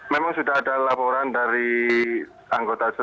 memang sudah ada laporan dari anggota